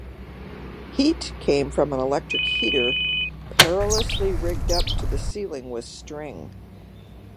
Heat came from an electric heater "perilously rigged up to the ceiling with string".